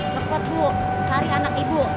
support bu cari anak ibu